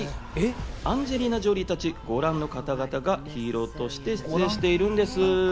アンジェリーナ・ジョリーたちご覧の方々がヒーローとして出演しているんです。